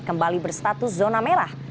kembali berstatus zona merah